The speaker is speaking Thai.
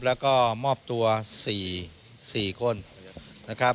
แล้วก็มอบตัว๔คนนะครับ